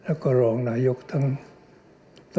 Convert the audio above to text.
พลเอกเปรยุจจันทร์โอชานายกรัฐมนตรีพลเอกเปรยุจจันทร์โอชานายกรัฐมนตรี